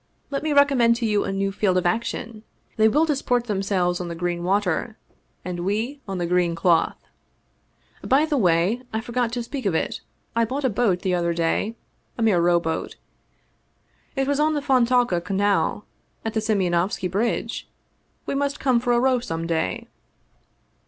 Let me recommend to you a new field of action. They will disport themselves on the green water, and we on the green cloth ! By the way, I forgot to speak of it I bought a boat the other day, a mere rowboat. It is on the Fontauka Canal, at the Simeonovski bridge. We must come for a row some day."